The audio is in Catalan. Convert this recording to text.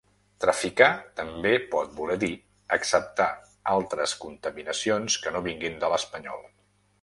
Traficar també pot voler dir acceptar altres contaminacions que no vinguin de l'espanyol.